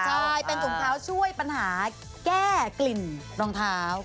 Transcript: ใช่เป็นถุงเท้าช่วยปัญหาแก้กลิ่นรองเท้า